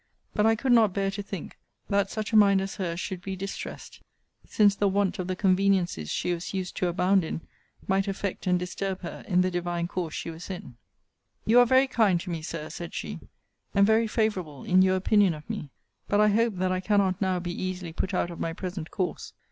But I could not bear to think that such a mind as her's should be distressed: since the want of the conveniencies she was used to abound in might affect and disturb her in the divine course she was in. You are very kind to me, Sir, said she, and very favourable in your opinion of me. But I hope that I cannot now be easily put out of my present course.